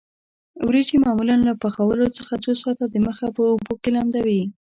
وریجې معمولاً له پخولو څخه څو ساعته د مخه په اوبو کې لمدوي.